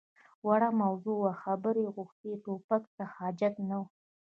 _وړه موضوع وه، خبرې يې غوښتې. ټوپک ته حاجت نه و.